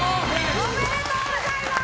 おめでとうございます！